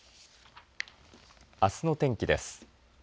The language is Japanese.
あすの天気です。